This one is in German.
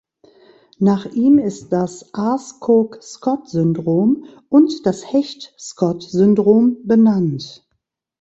Nach ihm ist das Aarskog-Scott-Syndrom und das Hecht-Scott-Syndrom benannt.